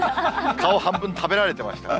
顔半分、食べられてました。